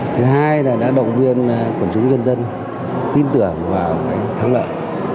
thứ hai là đã đồng biên quần chúng dân dân tin tưởng vào thắng lợi